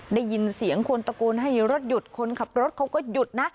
ได้ยินเสียงคนตะโกนให้รถหยุดคนขับรถเขาก็หยุดนะ